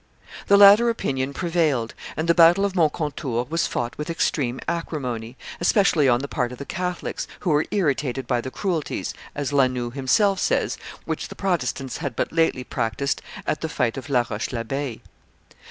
The latter opinion prevailed; and the battle of Moncontour was fought with extreme acrimony, especially on the part of the Catholics, who were irritated by the cruelties, as La Noue himself says, which the Protestants had but lately practised at the fight of La Roche l'Abeille.